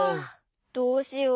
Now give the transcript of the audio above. どうしよう